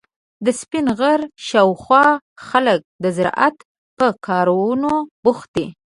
د سپین غر شاوخوا خلک د زراعت په کارونو بوخت دي.